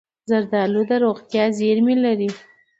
زردالو د روغتیا زېرمې لري.